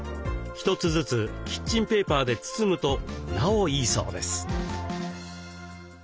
一つずつキッチンペーパーで包むとなおいいそうです。